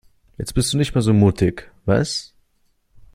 Jetzt bist du nicht mehr so mutig, was?